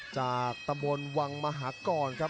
จากตำบลวังมหากรครับ